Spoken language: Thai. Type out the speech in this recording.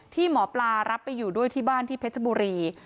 ที่หมอปลารับไปอยู่ด้วยที่บ้านที่เพชรบุรี